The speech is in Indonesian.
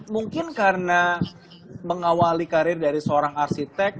mungkin karena mengawali karir dari seorang arsitek